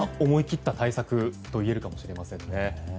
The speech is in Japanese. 思い切った対策といえるかもしれませんね。